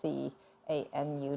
selain itu hanyalah sejauh